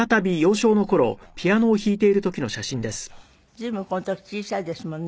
随分この時小さいですもんね。